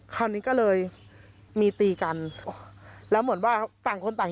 คราวนี้ก็เลยมีตีกันแล้วเหมือนว่าต่างคนต่าง